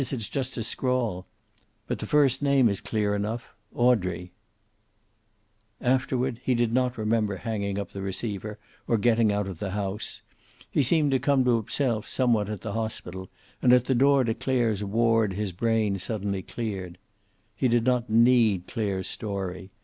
It's just a scrawl. But the first name is clear enough Audrey." Afterward he did not remember hanging up the receiver, or getting out of the house. He seemed to come to himself somewhat at the hospital, and at the door to Clare's ward his brain suddenly cleared. He did not need Clare's story.